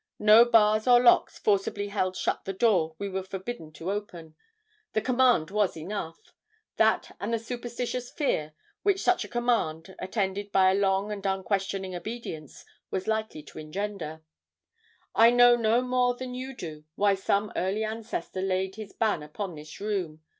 No bars or locks forcibly held shut the door we were forbidden to open. The command was enough; that and the superstitious fear which such a command, attended by a long and unquestioning obedience, was likely to engender. "I know no more than you do why some early ancestor laid his ban upon this room.